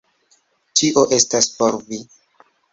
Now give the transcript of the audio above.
Tio estas por vi!